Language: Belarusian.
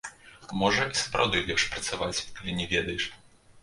Можа, і сапраўды лепш працаваць, калі не ведаеш.